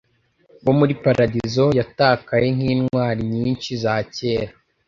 bo muri paradizo yatakaye nkintwari nyinshi za kera